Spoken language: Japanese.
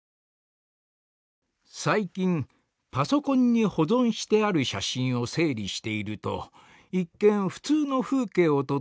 「最近パソコンに保存してある写真を整理していると一見普通の風景を撮った